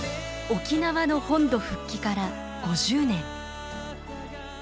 沖縄の本土復帰から５０年。